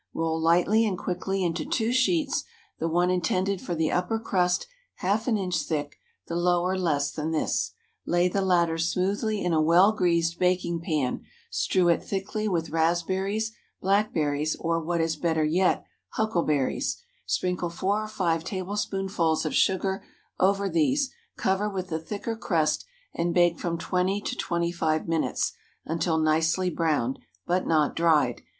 Roll lightly and quickly into two sheets, the one intended for the upper crust half an inch thick, the lower less than this. Lay the latter smoothly in a well greased baking pan, strew it thickly with raspberries, blackberries, or, what is better yet, huckleberries; sprinkle four or five tablespoonfuls of sugar over these, cover with the thicker crust, and bake from twenty to twenty five minutes, until nicely browned, but not dried.